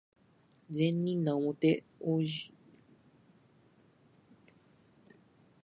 善人なおもて往生をとぐ、いわんや悪人をやという語、深く味わうべきである。